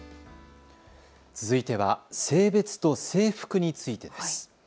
続いては性別と制服についてです。